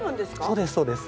そうですそうです。